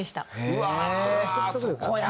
うわあそこや！